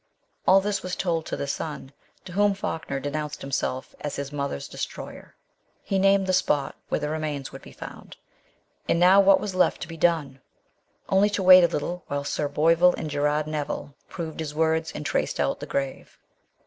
All this was told to the son, to whom Falkner denounced himself as his mother's destroyer. He named the spot where the remains would be found. And now what was left to be done ? Only to wait a little, while Sir Boyvill and Gerard Neville proved his words, and traced out the grave.